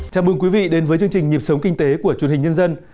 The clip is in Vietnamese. chào mừng quý vị đến với chương trình nhịp sống kinh tế của truyền hình nhân dân